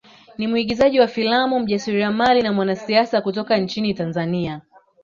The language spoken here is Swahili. Ni mwigizaji wa filamu mjasiriamali na mwanasiasa kutoka nchini Tanzania